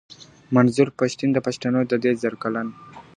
منظور پښتین د پښتنو د دې زرکلن .